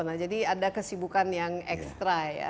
nah jadi ada kesibukan yang ekstra ya